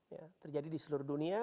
ya terjadi di seluruh dunia